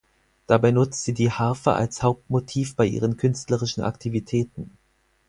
Dabei nutzt sie die Harfe als Hauptmotiv bei ihren künstlerischen Aktivitäten.